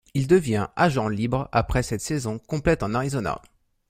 Il devient agent libre après cette saison complète en Arizona.